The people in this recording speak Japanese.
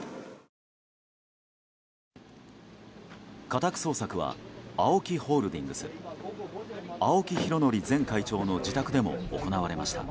家宅捜索はＡＯＫＩホールディングス青木拡憲前会長の自宅でも行われました。